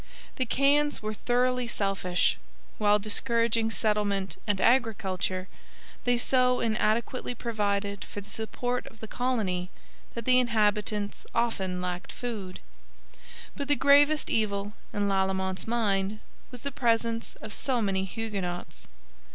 The Caens were thoroughly selfish. While discouraging settlement and agriculture, they so inadequately provided for the support of the colony that the inhabitants often lacked food. But the gravest evil, in Lalemant's mind, was the presence of so many Huguenots.